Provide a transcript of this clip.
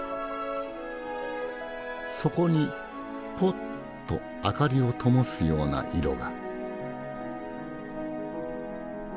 そこにポッと明かりを灯すような色が。